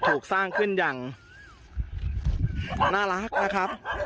ถูกสร้างขึ้นอย่างน่ารักนะครับ